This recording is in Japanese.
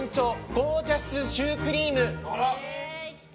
ゴージャスシュークリーム。